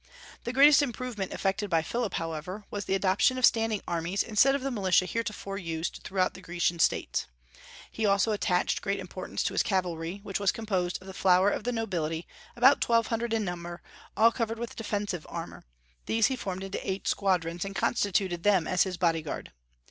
The greatest improvement effected by Philip, however, was the adoption of standing armies instead of the militia heretofore in use throughout the Grecian States. He also attached great importance to his cavalry, which was composed of the flower of the nobility, about twelve hundred in number, all covered with defensive armor; these he formed into eight squadrons, and constituted them his body guard.